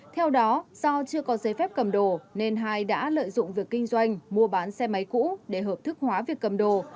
theo đó do chưa có giấy phép cầm đồ nên hai đã lợi dụng việc kinh doanh mua bán xe máy cũ để hợp thức hóa việc cầm đồ